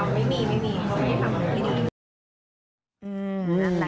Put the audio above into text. ก็คืออีกเรื่องเรื่องมัดสิ่งที่เธอเกิดเท่าไม่มี